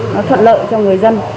nó thuận lợi cho người dân